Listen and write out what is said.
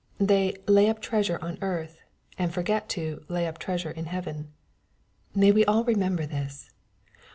They "lay up treasure on earth," and forget to " lay up treasure in heaven." May we all remember this